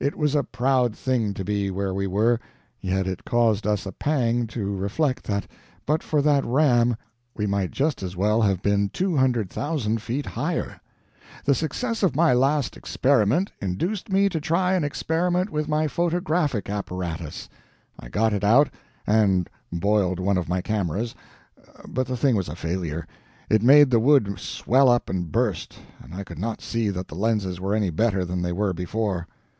It was a proud thing to be where we were, yet it caused us a pang to reflect that but for that ram we might just as well have been two hundred thousand feet higher. The success of my last experiment induced me to try an experiment with my photographic apparatus. I got it out, and boiled one of my cameras, but the thing was a failure; it made the wood swell up and burst, and I could not see that the lenses were any better than they were before.